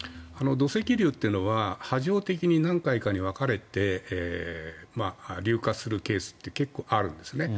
土石流というのは波状的に何回かに分かれて流下するケースって結構あるんですね。